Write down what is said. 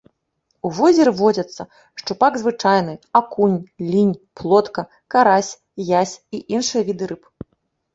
У возеры водзяцца шчупак звычайны, акунь, лінь, плотка, карась, язь і іншыя віды рыб.